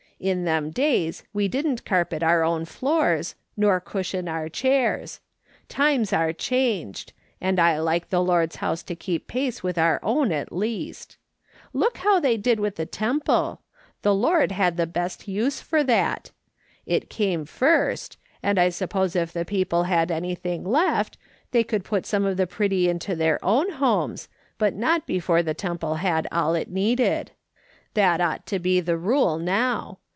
In them days we didn't carpet our own floors, nor cushion our chairs. Times are changed, and I like the Lord's house to keep pace with our own, at least. Look how they did with the Temple. The Lord had tlie best use for that. It came first, and I suppose if the people had anything left, they could put some of the pretty into their own homes, but not before the Temple had all it needed. That ought to be the rule now.